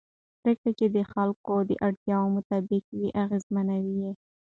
پرېکړې چې د خلکو د اړتیاوو مطابق وي اغېزمنې وي